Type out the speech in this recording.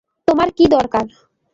তোমার কি দরকার?